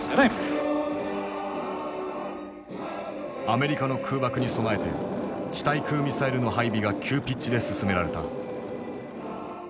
アメリカの空爆に備えて地対空ミサイルの配備が急ピッチで進められた。